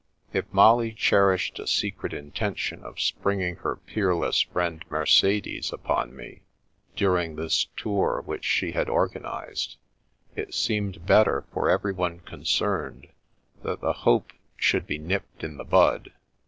If Molly cherished a secret intention of springing her peerless friend Mercedes upon me, during this tour which she had organised, it seemed better for every one concerned that the hope should be nipped in the bud.